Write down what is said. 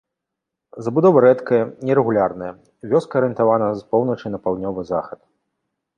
Забудова рэдкая, нерэгулярная, вёска арыентавана з поўначы на паўднёвы захад.